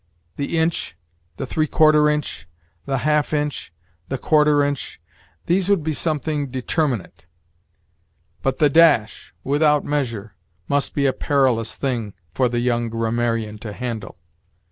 The inch, the three quarter inch, the half inch, the quarter inch: these would be something determinate; but 'the dash,' without measure, must be a perilous thing for the young grammarian to handle.